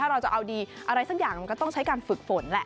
เราจะเอาดีอะไรสักอย่างมันก็ต้องใช้การฝึกฝนแหละ